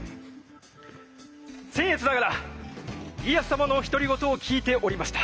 せん越ながら家康様のお独り言を聞いておりました。